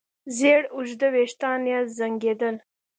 زېړ اوږده وېښتان يې زانګېدل.